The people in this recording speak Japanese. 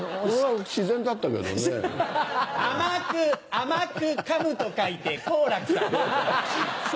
「甘く」「かむ」と書いて好楽さん。